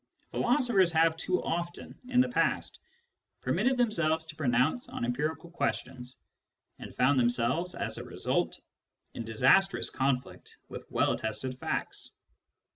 Philosophers have too often, in the past, permitted themselves to pronounce on empirical questions, and found themselves, as a result, in disastrous conflict with well attested facts.